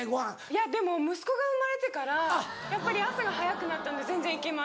いやでも息子が生まれてからやっぱり朝が早くなったんで全然行けます。